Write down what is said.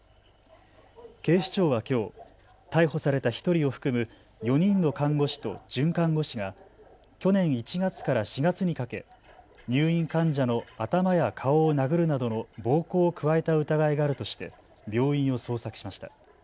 警視庁はきょう逮捕された１人を含む４人の看護師と准看護師が去年１月から４月にかけ入院患者の頭や顔を殴るなどの暴行を加えた疑いがあるとして病院を捜索しました。